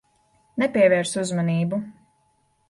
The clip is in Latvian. Nepievērs uzmanību.